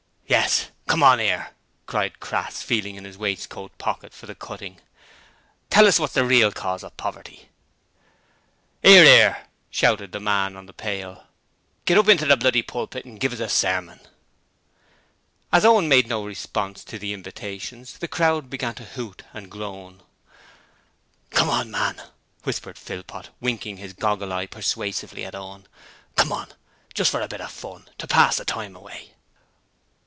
'Yes! come on 'ere!' cried Crass, feeling in his waistcoat pocket for the cutting. 'Tell us wot's the real cause of poverty.' ''Ear, 'ear,' shouted the man on the pail. 'Git up into the bloody pulpit and give us a sermon.' As Owen made no response to the invitations, the crowd began to hoot and groan. 'Come on, man,' whispered Philpot, winking his goggle eye persuasively at Owen. 'Come on, just for a bit of turn, to pass the time away.'